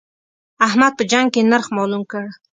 احمد په جنګ کې نرخ مالوم کړ.